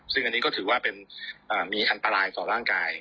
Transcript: ซึ่งอันนี้ก็ถือว่าเป็นมีอันตรายต่อร่างกาย